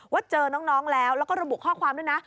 ว่าเจอน้องแล้วแล้วก็ระบุข้อความด้วยนะ